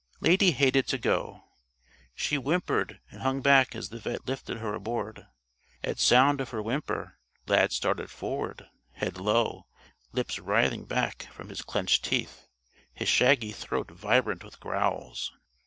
Lady hated to go. She whimpered and hung back as the vet' lifted her aboard. At sound of her whimper Lad started forward, head low, lips writhing back from his clenched teeth, his shaggy throat vibrant with growls.